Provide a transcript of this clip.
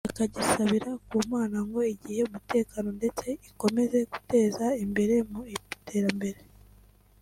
akagisabira ku Mana ngo igihe umutekano ndetse ikomeze kugiteza imbere mu iterambere